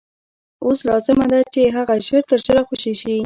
اوس لازمه ده چې هغه ژر تر ژره خوشي شي.